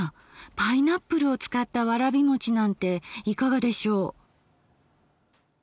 パイナップルを使ったわらびもちなんていかがでしょう？